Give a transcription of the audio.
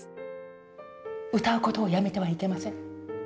歌うことをやめてはいけません。